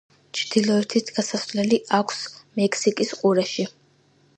ჩრდილოეთით გასასვლელი აქვს მექსიკის ყურეში.